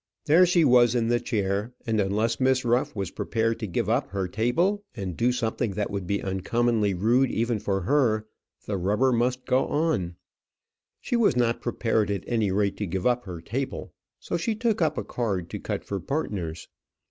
There she was in the chair; and unless Miss Ruff was prepared to give up her table and do something that would be uncommonly rude even for her, the rubber must go on. She was not prepared at any rate to give up her table, so she took up a card to cut for partners.